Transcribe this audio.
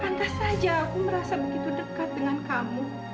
pantas saja aku merasa begitu dekat dengan kamu